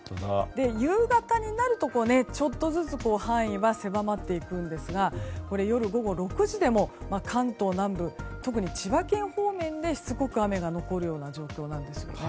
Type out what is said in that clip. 夕方になると、ちょっとずつ範囲は狭まっていくんですが夜午後６時でも関東南部特に千葉県方面でしつこく雨が残るような状況です。